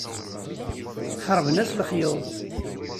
Xerben-as lexyuḍ.